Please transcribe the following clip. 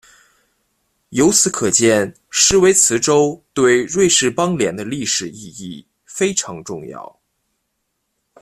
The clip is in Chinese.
由此可见施维茨州对瑞士邦联的历史意义非常重要。